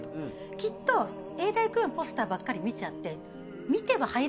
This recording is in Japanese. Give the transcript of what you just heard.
きっと永代供養のポスターばっかり見ちゃって。